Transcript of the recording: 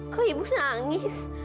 kok ibu nangis